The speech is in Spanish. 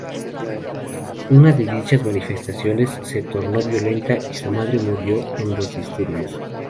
Una de dichas manifestaciones se tornó violenta y su madre murió en los disturbios.